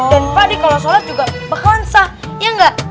dan pade kalau sholat juga bakalan sah ya nggak